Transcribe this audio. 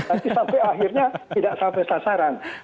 tapi sampai akhirnya tidak sampai sasaran